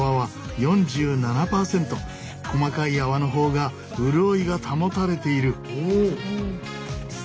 細かい泡の方が潤いが保たれている。